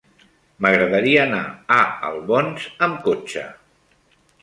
M'agradaria anar a Albons amb cotxe.